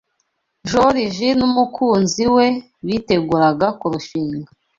Joriji n’umukunzi we biteguraga kurushinga